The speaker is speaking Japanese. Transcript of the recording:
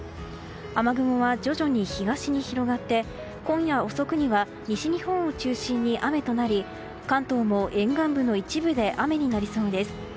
雨雲は徐々に東に広がって今夜遅くには西日本を中心に雨となり関東も沿岸部の一部で雨になりそうです。